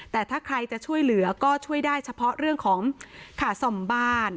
แต่ถ้าใครจะช่วยเหลือก็ช่วยได้เฉพาะเรื่องของค่าซ่อมบ้าน